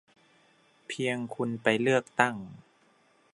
เพียงคุณไปเลือกตั้ง